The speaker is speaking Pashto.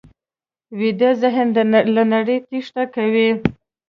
ویده ذهن له نړۍ تېښته کوي